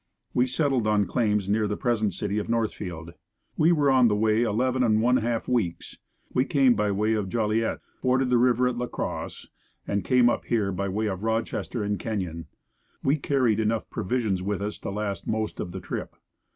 We settled on claims near the present city of Northfield. We were on the way eleven and one half weeks. We came by way of Joliet, forded the river at La Crosse and came up here by way of Rochester and Kenyon. We carried enough provisions with us to last most of the trip.